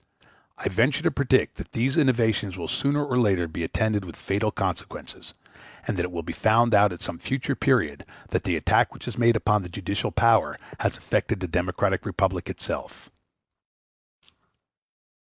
I venture to predict that these innovations will sooner or later be attended with fatal consequences, and that it will be found out at some future period that the attack which is made upon the judicial power has affected the democratic republic itself.